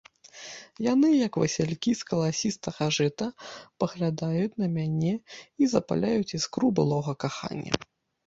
Яны, як васількі з каласістага жыта, паглядаюць на мяне і запаляюць іскру былога кахання.